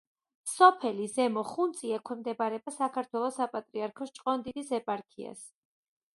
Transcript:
სოფელი ზემო ხუნწი ექვემდებარება საქართველოს საპატრიარქოს ჭყონდიდის ეპარქიას.